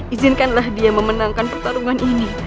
izinkanlah dia memenangkan pertarungan ini